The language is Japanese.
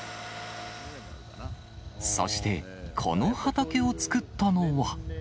そして、この畑を作ったのは。